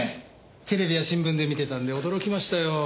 テレビや新聞で見てたんで驚きましたよ。